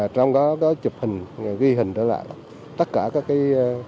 trong đó có chụp hình ghi hình đó là tất cả các cái